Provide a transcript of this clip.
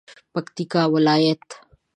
پکتیکا ولایت